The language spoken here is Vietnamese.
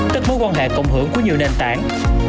các mối quan hệ cộng hưởng của nhiều nền tảng